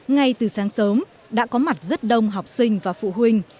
ngay từ sáng sớm đã có mặt rất đông học sinh và phụ huynh